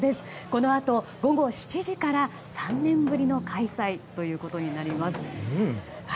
このあと午後７時から３年ぶりの開催となります。